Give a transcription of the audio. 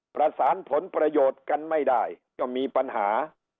ประสานผลประโยชน์กันไม่ได้ก็มีปัญหา